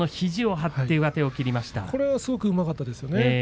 これはすごくうまかったです。